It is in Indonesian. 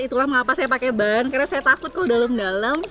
itulah mengapa saya pakai ban karena saya takut kok dalam dalam